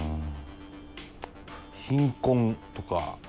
貧困とか？